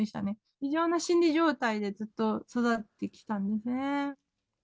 異常な心理状態でずっと育ってきたんですね。